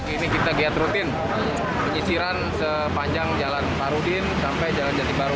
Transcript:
ini kita giat rutin penyisiran sepanjang jalan parudin sampai jalan jati baru